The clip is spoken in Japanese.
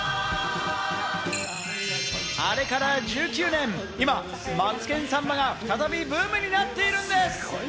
あれから１９年、今『マツケンサンバ』が再びブームになっているんです。